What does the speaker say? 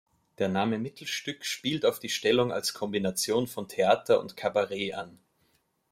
Der Name Mittelstück spielt auf die Stellung als Kombination von Theater und Kabarett an.